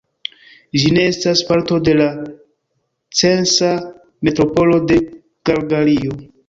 Ĝi ne estas parto de la Censa Metropolo de Kalgario.